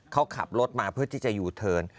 เขาขับรถมาเพื่อที่จะยูเทิร์น